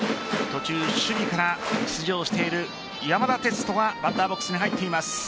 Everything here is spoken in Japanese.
途中、守備から出場している山田哲人がバッターボックスに入っています。